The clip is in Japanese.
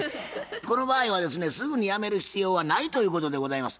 この場合はですねすぐにやめる必要はないということでございます。